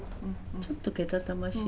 ちょっとけたたましい。